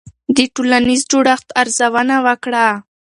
د ټولنیز جوړښت ارزونه وکړه.